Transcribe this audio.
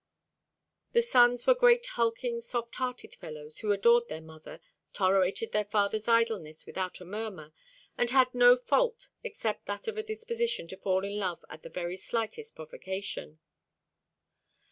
The sons were great hulking, soft hearted fellows, who adored their mother, tolerated their father's idleness without a murmur, and had no fault except that of a disposition to fall in love at the very slightest provocation.